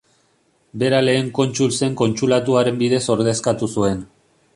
Bera Lehen Kontsul zen Kontsulatuaren bidez ordezkatu zuen.